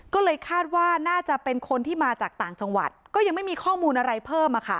ก็เลยคาดว่าน่าจะเป็นคนที่มาจากต่างจังหวัดก็ยังไม่มีข้อมูลอะไรเพิ่ม